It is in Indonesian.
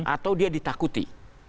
atau dia ditakuti